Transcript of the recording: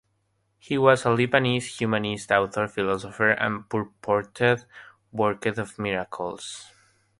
He was a Lebanese humanist, author, philosopher, and purported worker of miracles.